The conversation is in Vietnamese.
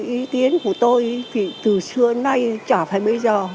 ý kiến của tôi thì từ xưa nay chả phải bây giờ